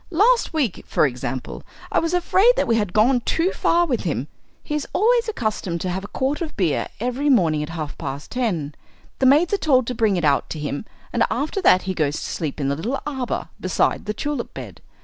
Last week, for example, I was afraid that we had gone too far with him. He is always accustomed to have a quart of beer every morning at half past ten the maids are told to bring it out to him, and after that he goes to sleep in the little arbour beside the tulip bed.